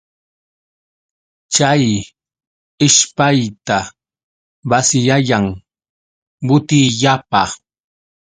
Chay ishpayta basiyayan butillapa.